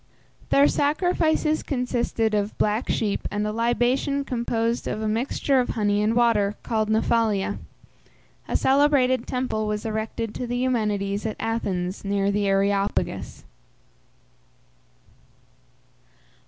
Their sacrifices consisted of black sheep and a libation composed of a mixture of honey and water, called Nephalia. A celebrated temple was erected to the Eumenides at Athens, near the Areopagus.